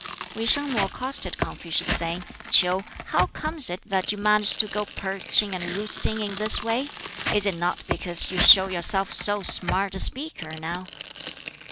Wi shang Mau accosted Confucius, saying, "Kiu, how comes it that you manage to go perching and roosting in this way? Is it not because you show yourself so smart a speaker, now?"